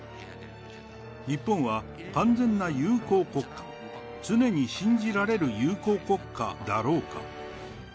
日本は完全な友好国家、常に信じられる友好国家だろうか。